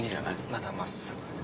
まだ真っすぐです。